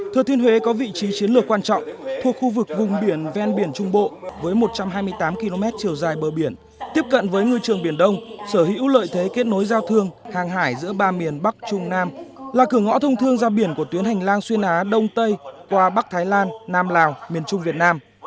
thừa thiên huế có vị trí chiến lược quan trọng thuộc khu vực vùng biển ven biển trung bộ với một trăm hai mươi tám km chiều dài bờ biển tiếp cận với ngư trường biển đông sở hữu lợi thế kết nối giao thương hàng hải giữa ba miền bắc trung nam là cửa ngõ thông thương ra biển của tuyến hành lang xuyên á đông tây qua bắc thái lan nam lào miền trung việt nam